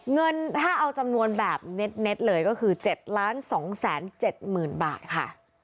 เงินถ้าเอาจำนวนแบบเน็ตเน็ตเลยก็คือเจ็ดล้านสองแสนเจ็ดหมื่นบาทค่ะ